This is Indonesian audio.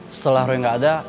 setelah roy gak ada